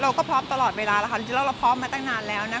เราก็พร้อมตลอดเวลาแล้วค่ะจริงแล้วเราพร้อมมาตั้งนานแล้วนะคะ